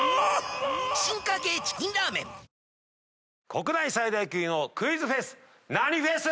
国内最大級のクイズフェス何フェス！